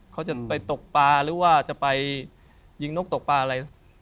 เขาจะไปตกปลาหรือว่าจะไปยิงนกตกปลาอะไร